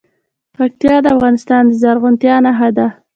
پکتیکا د افغانستان د زرغونتیا نښه ده.